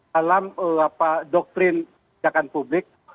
dalam doktrin kebijakan publik